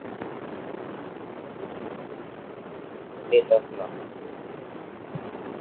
Esta gira se convirtió en la continuación de "Rhythm Of Love Tour".